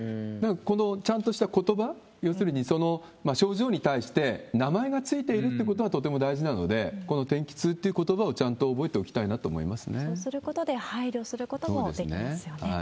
このちゃんとしたことば、要するにその症状に対して、名前が付いているってことがとても大事なので、この天気痛っていうことばをちゃんと覚えておきたいなと思いますそうすることで配慮することそうですよね。